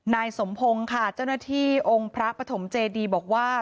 นายสมพงศ์ค่ะเจ้าหน้าที่องค์พระปฐมเจดีบอกว่า